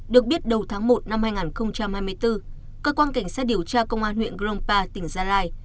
được biết đầu tháng một năm hai nghìn hai mươi bốn cơ quan cảnh sát điều tra công an huyện grongpa tỉnh gia lai